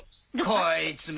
こいつめ！